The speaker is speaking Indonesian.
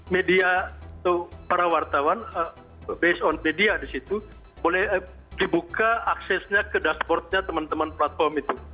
media atau para wartawan based on media di situ boleh dibuka aksesnya ke dashboardnya teman teman platform itu